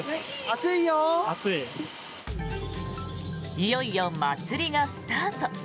いよいよ祭りがスタート。